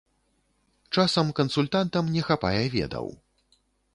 Часам кансультантам не хапае ведаў.